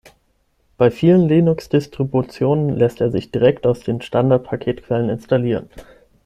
Bei vielen Linux-Distributionen lässt er sich direkt aus den Standard-Paketquellen installieren.